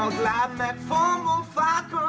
โอเคค่ะขอบคุณมากค่ะ